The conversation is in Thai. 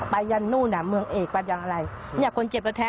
ยันนู่นอ่ะเมืองเอกไปยังอะไรเนี่ยคนเจ็บแท้